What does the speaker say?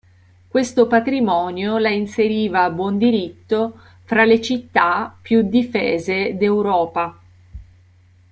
Questo patrimonio la inseriva a buon diritto fra le città più difese d'Europa.